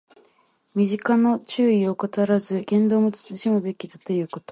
身辺の注意を怠らず、言動も慎むべきだということ。